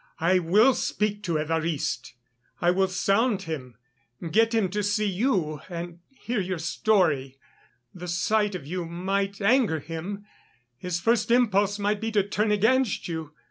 I will speak to Évariste. I will sound him, get him to see you and hear your story. The sight of you might anger him; his first impulse might be to turn against you....